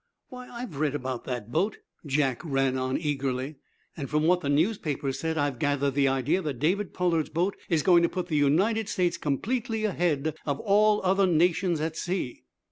"Why, I've read about that boat;" Jack ran on, eagerly. "And, from what the newspapers said, I've gathered the idea that David Pollard's boat is going to put the United States completely ahead of all other nations at sea."